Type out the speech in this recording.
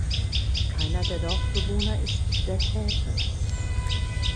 Keiner der Dorfbewohner ist der Täter.